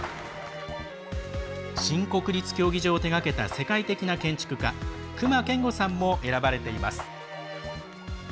新国立競技場を手がけた世界的な建築家隈研吾さんも選ばれています。